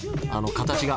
形が。